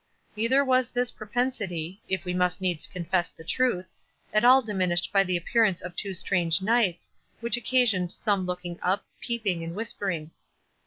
Neither was this propensity (if we must needs confess the truth) at all diminished by the appearance of two strange knights, which occasioned some looking up, peeping, and whispering.